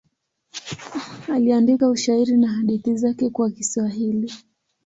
Aliandika ushairi na hadithi zake kwa Kiswahili.